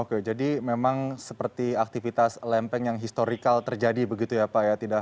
oke jadi memang seperti aktivitas lempeng yang historikal terjadi begitu ya pak ya